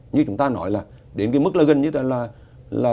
như chúng ta nói là đến cái mức là gần như là